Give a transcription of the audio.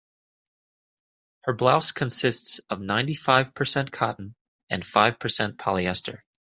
Her blouse consists of ninety-five percent cotton and five percent polyester.